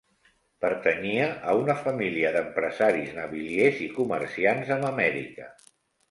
Pertanyia a una família d'empresaris naviliers i comerciants amb Amèrica.